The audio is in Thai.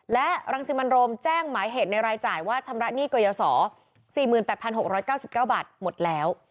และรังสิมันโรมแจ้งหมายเหตุในรายจ่ายว่าชำระหนี้กยศ๔๘๖๙๙บาทหมดแล้ว